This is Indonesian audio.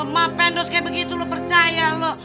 ma pendos kaya begitu lu percaya lu